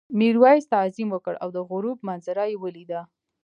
میرويس تعظیم وکړ او د غروب منظره یې ولیده.